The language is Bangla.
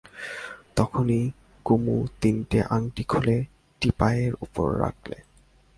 তখনই কুমু তিনটে আংটি খুলে টিপায়ের উপর রাখলে।